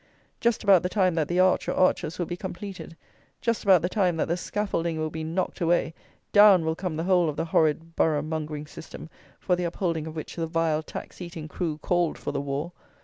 Just about the time that the arch, or arches, will be completed; just about the time that the scaffolding will be knocked away, down will come the whole of the horrid borough mongering system, for the upholding of which the vile tax eating crew called for the war!